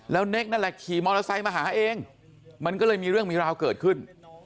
แล้วเน็กนั่นแหละขี่มอเตอร์ไซค์มาหาเองมันก็เลยมีเรื่องมีราวเกิดขึ้น